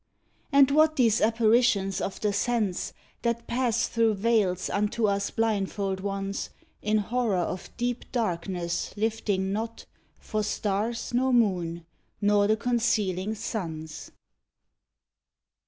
And what these apparitions of the sense That pass through veils unto us blindfold ones, In horror of deep darkness lifting not For stars nor moon nor the concealing suns?